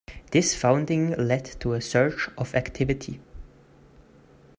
This funding led to a surge of activity.